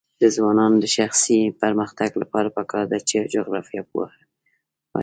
د ځوانانو د شخصي پرمختګ لپاره پکار ده چې جغرافیه پوهه ورکړي.